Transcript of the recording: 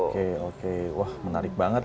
oke oke wah menarik banget